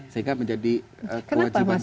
sehingga menjadi kewajiban